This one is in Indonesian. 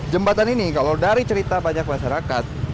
jembatan ini kalau dari cerita banyak masyarakat